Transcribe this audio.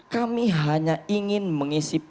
kami hanya ingin mengisi